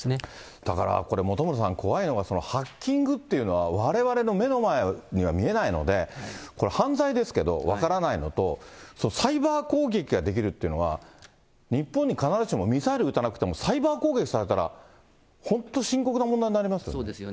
だからこれ本村さん、怖いのが、ハッキングっていうのは、われわれの目の前には見えないので、これ、犯罪ですけど、分からないのと、サイバー攻撃ができるっていうのは、日本に必ずしもミサイル撃たなくても、サイバー攻撃されたら本当、そうですよね。